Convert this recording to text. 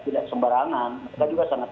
tidak sembarangan mereka juga sangat